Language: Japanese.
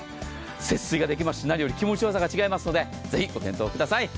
節水ができますし、何より気持ちよさが違いますのでぜひご検討ください。